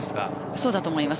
そうだと思います。